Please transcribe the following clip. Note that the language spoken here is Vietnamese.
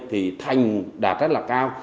thì thanh đạt rất là cao